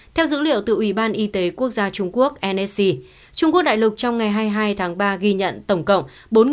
theo dữ liệu từ ủy ban y tế quốc gia trung quốc nesc trung quốc đại lục trong ngày hai mươi hai tháng ba ghi nhận tổng cộng